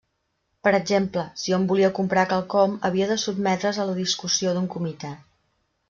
Per exemple, si hom volia comprar quelcom, havia de sotmetre's a la discussió d'un comitè.